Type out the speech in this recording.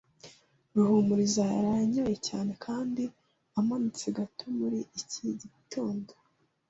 Ruhumuriza yaraye anyoye cyane kandi amanitse gato muri iki gitondo.